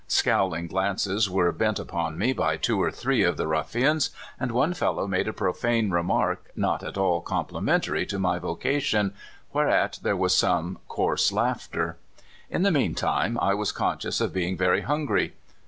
Scowling glances were bent upon me by two or three of the ruffians, and one fellow made a profane remark not at all complimentary to my vocation, whereat there was some coarse laughter. In the meantime I was conscious of being very hungry.